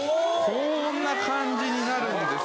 こんな感じになるんです。